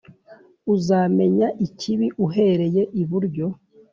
uzamenya ikibi uhereye iburyo